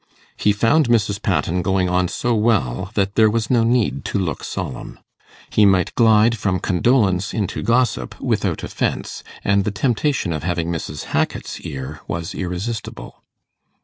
He found Mrs. Patten going on so well that there was no need to look solemn. He might glide from condolence into gossip without offence, and the temptation of having Mrs. Hackit's ear was irresistible.